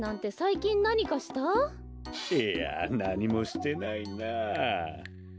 いやなにもしてないなあ。